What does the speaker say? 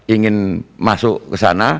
ingin masuk ke sana